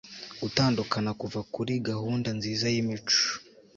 Gutandukana kuva kuri gahunda nziza yimico